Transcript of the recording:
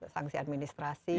sanksi administrasi saksi